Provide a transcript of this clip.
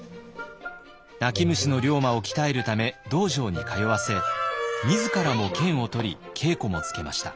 泣き虫の龍馬を鍛えるため道場に通わせ自らも剣を取り稽古もつけました。